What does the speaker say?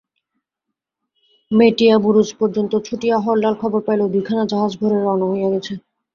মেটিয়াবুরুজ পর্যন্ত ছুটিয়া হরলাল খবর পাইল দুইখানা জাহাজ ভোরে রওনা হইয়া গেছে।